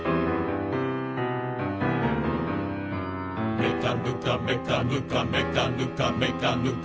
「めかぬかめかぬかめかぬかめかぬか」